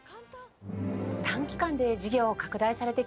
短期間で事業を拡大されてきましたね。